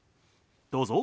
どうぞ。